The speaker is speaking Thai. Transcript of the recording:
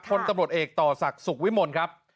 คนตำรวจเอกต่อศักดิ์สุขวิมลครับ